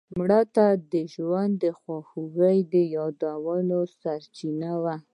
مړه د ژوند د خوږو یادونو سرچینه وه